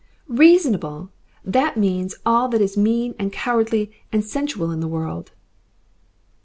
"Reasonable! That means all that is mean and cowardly and sensual in the world."